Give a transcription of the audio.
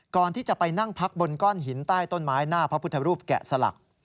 ก่อนที่จะไปนั่งพักบนก้อนหินใต้ต้นไม้หน้าพระพุทธรูปแกะสลัก